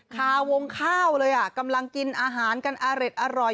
คาวงข้าวเลยอ่ะกำลังกินอาหารกันอเร็ดอร่อย